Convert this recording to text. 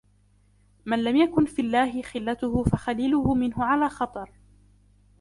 مَنْ لَمْ يَكُنْ فِي اللَّهِ خِلَّتُهُ فَخَلِيلُهُ مِنْهُ عَلَى خَطَرِ